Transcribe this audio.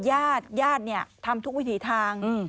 ญาติญาติทำทุกวิถีทาง